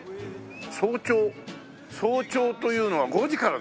早朝早朝というのは５時からだ。